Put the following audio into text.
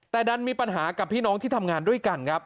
แต่ดันมีปัญหากับพี่น้องที่ทำงานด้วยกันครับ